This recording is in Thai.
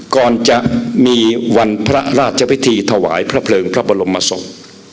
ก่อนจะมีวันพระราชพิธีถวายพระเพลิงพระบรมศพ